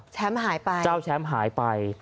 แช้มหายไปเจ้าแช้มหายไป